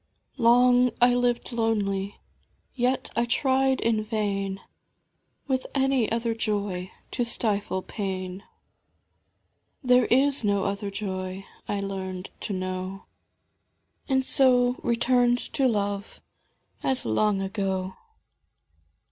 Long I lived lonely, yet I tried in vain With any other Joy to stifle pain ; There is no other joy, I learned to know. And so returned to Love, as long ago.